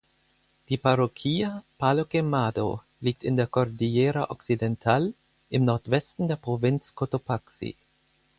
Die Parroquia Palo Quemado liegt in der Cordillera Occidental im Nordwesten der Provinz Cotopaxi.